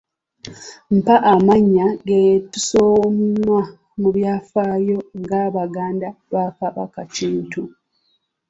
Mpa amannya ge tusoma mu byafaayo aga baganda ba Kabaka Kintu